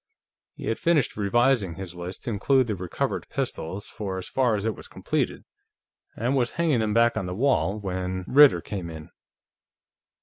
He had finished revising his list to include the recovered pistols for as far as it was completed, and was hanging them back on the wall when Ritter came in.